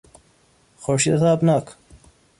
خورشید تابناک